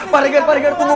parenger parenger tunggu